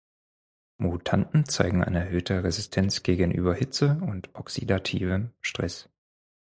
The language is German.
Mutanten zeigen eine erhöhte Resistenz gegenüber Hitze- und oxidativem Stress.